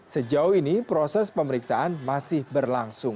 sejauh ini proses pemeriksaan masih berlangsung